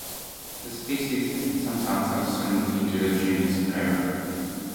The species is sometimes subsumed into the genus "Ara".